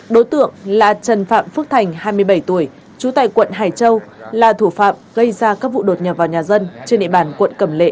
đối tượng là trần phạm phước thành hai mươi bảy tuổi trú tại quận hải châu là thủ phạm gây ra các vụ đột nhập vào nhà dân trên địa bàn quận cẩm lệ